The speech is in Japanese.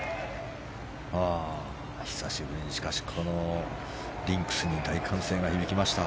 久しぶりにこのリンクスに大歓声が響きました。